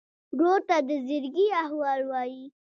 ورور ته د زړګي احوال وایې.